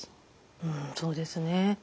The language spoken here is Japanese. うんそうですね。